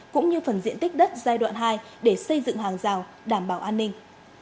cũng như phần diện tích đất giai đoạn hai để xây dựng hàng rào đảm bảo an ninh